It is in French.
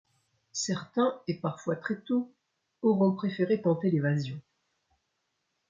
Certains, et parfois très tôt auront préféré tenter l’évasion.